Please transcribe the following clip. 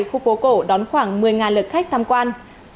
khu phố cổ đón khoảng một mươi lượt khách tham quan